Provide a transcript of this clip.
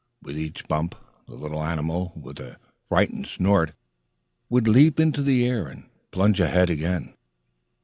With each bump, the little animal, with a frightened snort, would leap into the air and plunge ahead again.